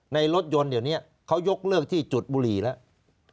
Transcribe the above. ในรถยนต์เดี๋ยวนี้เขายกเลิกที่จุดบุหรี่แล้ว